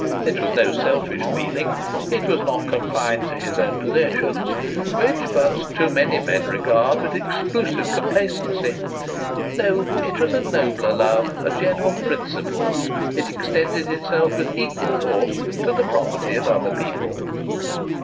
It was no selfish feeling ; it was not confined to his own possessions, which but too many men regard with exclusive complacency. No ; it was a nobler love a general principle. It extended itself with equal force to the property of other people.